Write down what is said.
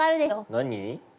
何？